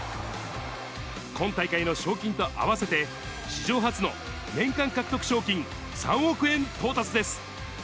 今大会の賞金と合わせて、史上初の年間獲得賞金３億円到達です。